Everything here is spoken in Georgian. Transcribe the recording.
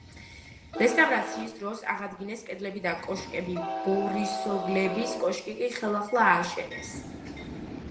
რესტავრაციის დროს აღადგინეს კედლები და კოშკები, ბორისოგლების კოშკი კი ხელახლა ააშენეს.